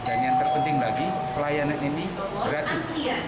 dan yang terpenting lagi pelayanan ini gratis